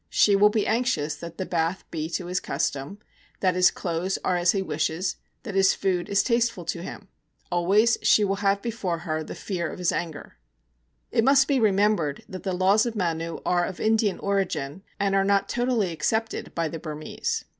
She will be anxious that the bath be to his custom, that his clothes are as he wishes, that his food is tasteful to him. Always she will have before her the fear of his anger.' It must be remembered that the Laws of Manu are of Indian origin, and are not totally accepted by the Burmese.